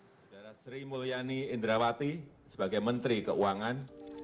saudara sri mulyani indrawati sebagai menteri keuangan